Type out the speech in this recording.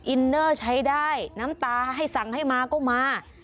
อินเนอร์ใช้ได้น้ำตาให้สั่งให้มาก็มา